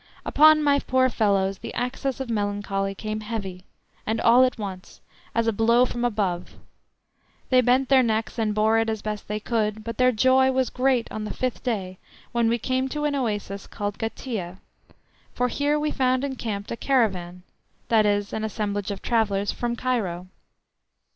Upon my poor fellows the access of melancholy came heavy, and all at once, as a blow from above; they bent their necks, and bore it as best they could, but their joy was great on the fifth day when we came to an oasis called Gatieh, for here we found encamped a caravan (that is, an assemblage of travellers) from Cairo.